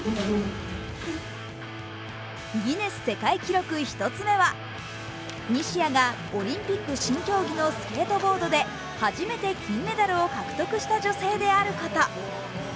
ギネス世界記録１つ目は、西矢がオリンピック新競技のスケートボードで初めて金メダルを獲得した女性であること。